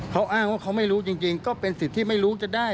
เขาอ้างว่าเขาไม่รู้จริงก็เป็นสิทธิ์ที่ไม่รู้จะได้